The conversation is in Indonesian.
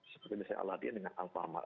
seperti misalnya aladin dengan alfamart